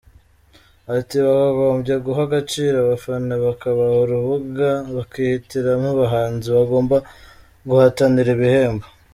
Ati: “Bakagombye guha agaciro abafana, bakabaha urubuga bakihitiramo abahanzi bagomba guhatanira ibihembo.